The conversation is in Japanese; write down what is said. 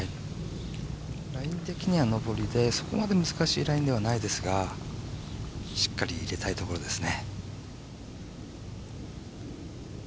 ライン的には上りでそこまで難しいラインではないんですがしっかり入れたいところですね。